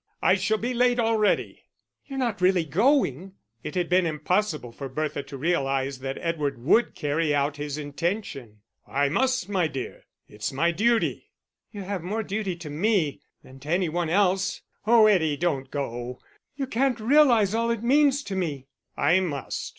I shall be late already." "You're not really going?" It had been impossible for Bertha to realise that Edward would carry out his intention. "I must, my dear; it's my duty." "You have more duty to me than to any one else.... Oh, Eddie, don't go. You can't realise all it means to me." "I must.